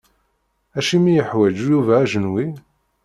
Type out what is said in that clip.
Acimi i yeḥwaǧ Yuba ajenwi?